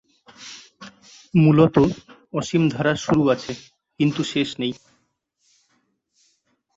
মূলত, অসীম ধারার শুরু আছে, কিন্তু শেষ নেই।